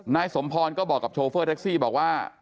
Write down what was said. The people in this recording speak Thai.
นายสมพรก็บอกกับโชเฟอร์แท็กซี่บอกว่า